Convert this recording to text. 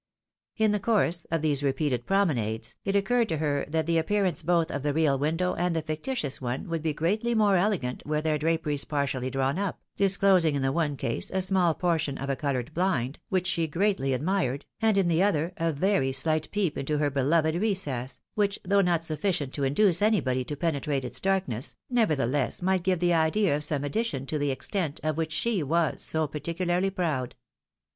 In the course of these repeated promenades, it occuri ed to her that the appear ance both of the real window and the fictitious one would be greatly more elegant were their draperies partially drawn up, disclosing in the one case a small portion of a coloured blind, which she greatly admired, and in the other a very slight peep into her beloved recess, which, though not sufficient to induce anybody to penetrate its darkness, nevertheless might give the idea of some addition to the extent, of which she was so parti cularly proud.